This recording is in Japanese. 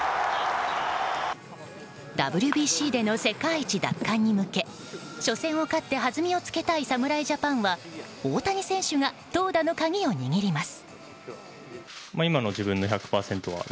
ＷＢＣでの世界一奪還に向け初戦を勝って弾みをつけたい侍ジャパンは大谷選手が投打の鍵を握ります。